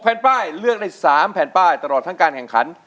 แผ่นป้ายเลือกได้๓แผ่นป้ายตลอดทั้งการแข่งขัน